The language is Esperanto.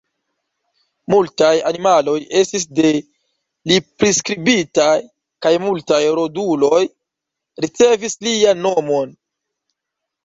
Multaj animaloj estis de li priskribitaj kaj multaj roduloj ricevis lian nomon.